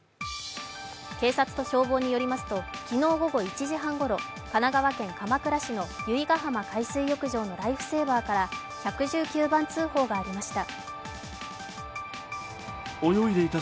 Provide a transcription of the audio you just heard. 警察と消防によりますと、昨日午後１時半ごろ、神奈川県鎌倉市の由比ガ浜海水浴場のライフセーバーから１１９番通報がありました。